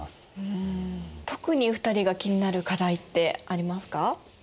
特に２人が気になる課題ってありますか？